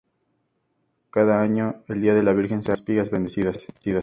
Cada año el día de la virgen se reparten espigas bendecidas.